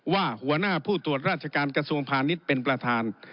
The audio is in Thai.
หัวหน้าผู้ตรวจราชการกระทรวงพาณิชย์เป็นประธาน